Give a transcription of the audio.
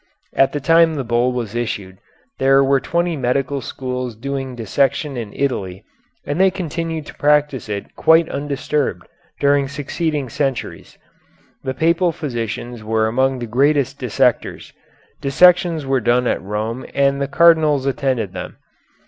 At the time the bull was issued there were twenty medical schools doing dissection in Italy and they continued to practise it quite undisturbed during succeeding centuries. The Papal physicians were among the greatest dissectors. Dissections were done at Rome and the cardinals attended them.